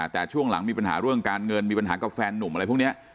แต่ช่วงหลังมีปัญหาเรื่องการเงินมีปัญหากับแฟนนุ่มอะไรพวกนี้